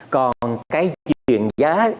còn cái chuyện giá